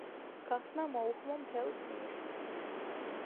გახსნა, მოუხმო მთელ მის